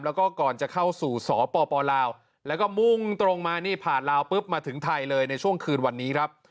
แล้วก็ก่อนจะเข้าสู่สปลาวแล้วก็มุ่งตรงมานี่ผ่านลาวปุ๊บมาถึงไทยเลยในช่วงคืนวันนี้ครับ